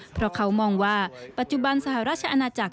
เพราะเขามองว่าปัจจุบันสหราชอาณาจักร